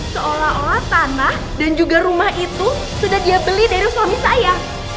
seolah olah tanah dan juga rumah itu sudah dia beli dari suami saya